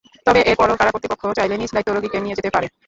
তবে এরপরও কারা কর্তৃপক্ষ চাইলে নিজ দায়িত্বে রোগীকে নিয়ে যেতে পারে।